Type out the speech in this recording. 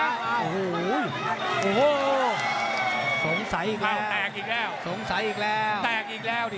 โอ้โหสงสัยอีกแล้วแตกอีกแล้วสงสัยอีกแล้วแตกอีกแล้วดิ